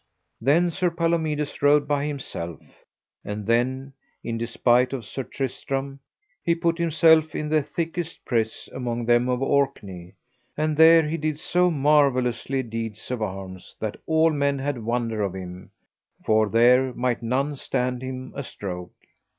Then Sir Palomides rode by himself; and then in despite of Sir Tristram he put himself in the thickest press among them of Orkney, and there he did so marvellously deeds of arms that all men had wonder of him, for there might none stand him a stroke.